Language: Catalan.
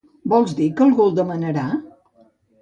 ¿Vols dir que algú el demanarà?